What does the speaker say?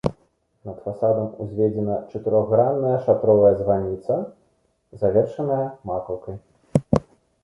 Над фасадам узведзена чатырохгранная шатровая званіца, завершаная макаўкай.